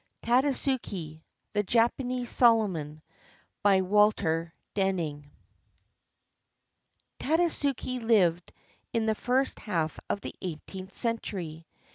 TADASUKE, THE JAPANESE SOLOMON BY WALTER DENING [Tadasuke lived in the first half of the eighteenth century.